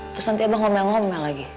terus nanti abang ngomel ngomel lagi